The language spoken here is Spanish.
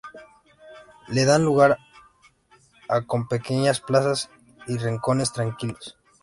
De dan lugar a con pequeñas plazas y rincones tranquilos.